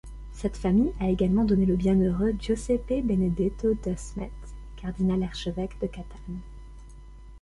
Cette famille a également donné le bienheureux Giuseppe Benedetto Dusmet, cardinal archevêque de Catane.